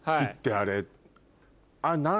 あれ。